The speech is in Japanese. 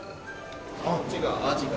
こっちがアジが。